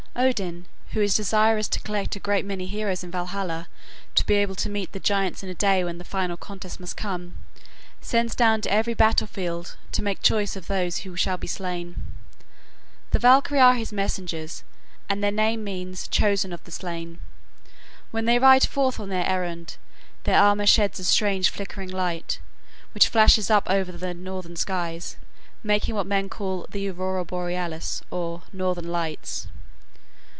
Odin, who is desirous to collect a great many heroes in Valhalla to be able to meet the giants in a day when the final contest must come, sends down to every battle field to make choice of those who shall be slain. The Valkyrie are his messengers, and their name means "Choosers of the slain." When they ride forth on their errand, their armor sheds a strange flickering light, which flashes up over the northern skies, making what men call the "Aurora Borealis," or "Northern Lights."